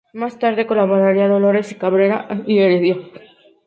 Más tarde colaboraría Dolores Cabrera y Heredia.